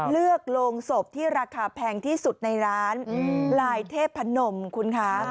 โรงศพที่ราคาแพงที่สุดในร้านลายเทพนมคุณคะ